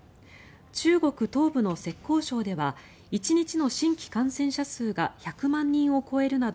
中国東部の浙江省では１日の新規感染者数が１００万人を超えるなど